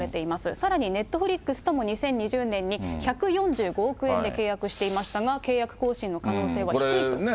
さらにネットフリックスとも２０２０年に１４５億円で契約していましたが、契約更新の可能性は低いということです。